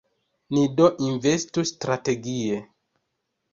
Ni do investu strategie.